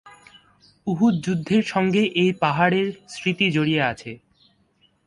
উহুদ যুদ্ধের সঙ্গে এই পাহাড়ের স্মৃতি জড়িয়ে আছে।